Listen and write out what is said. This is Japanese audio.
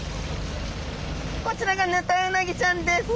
こちらがヌタウナギちゃんです。